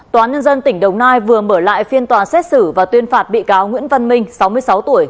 tòa nhân dân tỉnh đồng nai vừa mở lại phiên tòa xét xử và tuyên phạt bị cáo nguyễn văn minh sáu mươi sáu tuổi